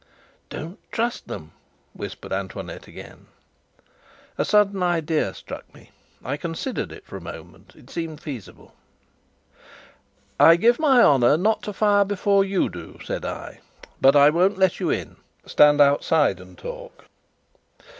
"Don't trust them," whispered Antoinette again. A sudden idea struck me. I considered it for a moment. It seemed feasible. "I give my honour not to fire before you do," said I; "but I won't let you in. Stand outside and talk."